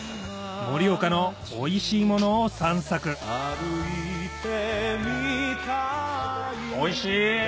盛岡のおいしいものを散策おいしい！